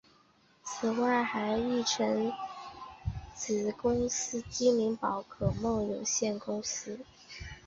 此外还成立子公司精灵宝可梦有限公司。